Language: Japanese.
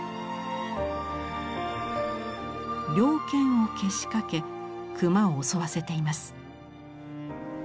猟犬をけしかけ熊を襲わせています。